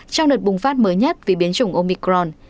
trong đợt bùng phát mới nhất vì biến chủng omicron